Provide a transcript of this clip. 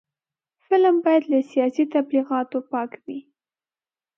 فلم باید له سیاسي تبلیغاتو پاک وي